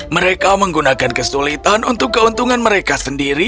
mereka menggunakan kesulitan untuk keuntungan mereka sendiri